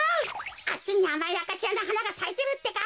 あっちにあまいアカシアのはながさいてるってか。